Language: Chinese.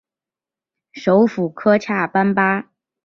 首府科恰班巴。